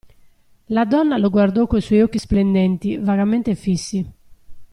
La donna lo guardò coi suoi occhi splendenti, vagamente fissi.